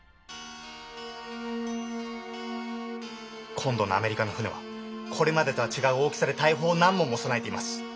今度のアメリカの船はこれまでとは違う大きさで大砲を何門も備えています。